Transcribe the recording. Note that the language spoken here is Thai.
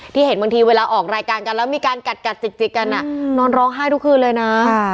เห็นบางทีเวลาออกรายการกันแล้วมีการกัดจิกกันนอนร้องไห้ทุกคืนเลยนะ